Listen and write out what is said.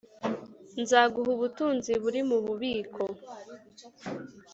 nzaguha ubutunzi buri mu bubiko,